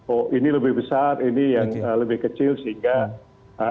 oh ini lebih besar ini yang lebih kecil sehingga